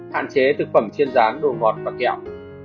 hạn chế thực phẩm chiên rán đồ ngọt và kẹo